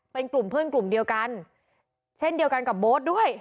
เป็นกลุ่มเพื่อนกลุ่มเดียวกันเช่นเดียวกันกับโบ๊ทด้วย